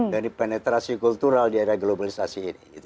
dari penetrasi kultural di area globalisasi ini